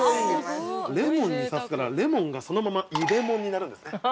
◆レモンに刺すからレモンがそのまま「入レモン」になるんですね。